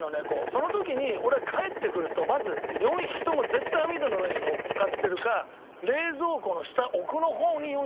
その時に俺が帰ってくるとまず４匹とも絶対網戸の上に乗っかってるか冷蔵庫の下奥の方に４匹必ずいたんですよ。